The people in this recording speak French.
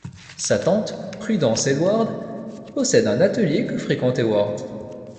Sa tante, Prudence Heward possède un atelier que fréquente Heward.